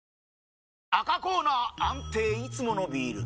赤コーナー安定いつものビール！